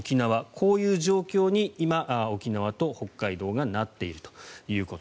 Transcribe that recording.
こういう状況に今沖縄と北海道がなっていると。